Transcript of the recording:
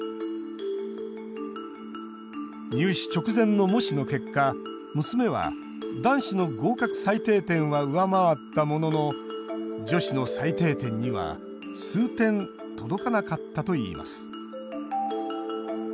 入試直前の模試の結果娘は、男子の合格最低点は上回ったものの女子の最低点には数点届かなかったといいます。